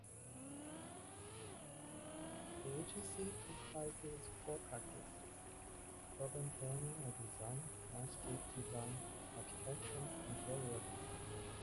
The agency comprises four practices: urban planning and design, landscape design, architecture, interior design.